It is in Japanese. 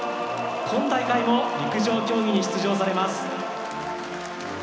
今大会も陸上競技に出場されます。